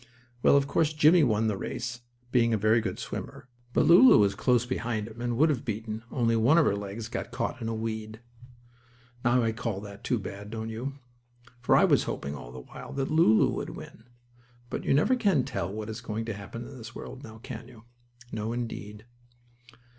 Well, of course, Jimmie won the race, being a very good swimmer, but Lulu was close behind him, and would have beaten, only one of her legs got caught in a weed. Now I call that too bad, don't you? For I was hoping, all the while, that Lulu would win. But you never can tell what is going to happen in this world; now can you? No, indeed.